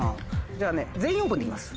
じゃあ「全員オープン」でいきます。